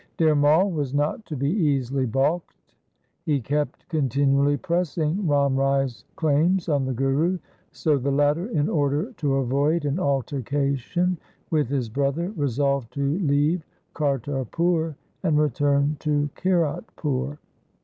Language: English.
Dhir Mai was not to be easily balked. He kept continually pressing Ram Rai's claims on the Guru, so the latter, in order to avoid an altercation with his brother resolved to leave Kartarpur, and return to Kiratpur.